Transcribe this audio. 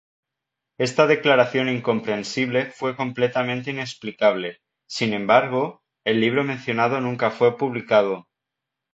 Esta declaración incomprensible fue completamente inexplicable, sin embargo, el libro mencionado nunca fue publicado.